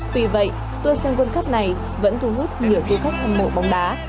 tuy vậy tour xem world cup này vẫn thu hút nhiều du khách hâm mộ bóng đá